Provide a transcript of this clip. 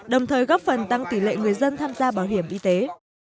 đồng thời góp phần tăng tỷ lệ người dân tham gia bảo hiểm y tế